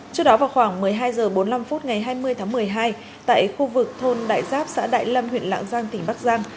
trước đó vào khoảng một mươi hai h bốn mươi năm phút ngày hai mươi tháng một mươi hai tại khu vực thôn đại giáp xã đại lâm huyện lạng giang tỉnh bắc giang